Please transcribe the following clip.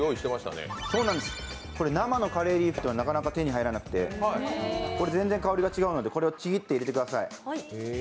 生のカレーリーフはなかなか手に入らなくて、これ全然香りが違うのでちぎって入れてください。